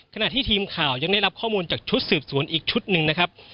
ขณะที่ทีมข่าวยังได้รับข้อมูลจากชุดสืบสวนอีกชุดหนึ่งนะครับ